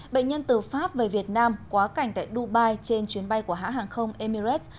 bệnh nhân từ pháp về việt nam quá cảnh tại dubai trên chuyến bay của hãng hàng không emirates